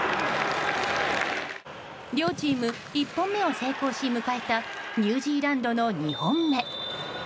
両チーム、一本目を成功し迎えたニュージーランドの２本目。